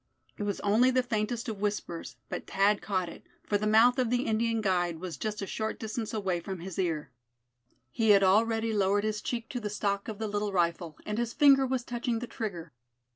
It was only the faintest of whispers, but Thad caught it, for the mouth of the Indian guide was just a short distance away from his ear. He had already lowered his cheek to the stock of the little rifle, and his finger was touching the trigger.